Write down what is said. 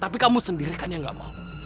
tapi kamu sendirikannya nggak mau